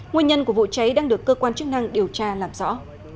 nguyên nhân của vụ cháy đang được cơ quan chức năng điều tra làm rõ